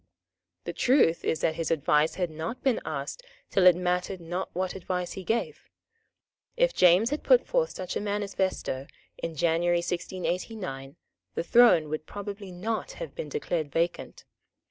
The truth is that his advice had not been asked till it mattered not what advice he gave. If James had put forth such a manifesto in January 1689, the throne would probably not have been declared vacant.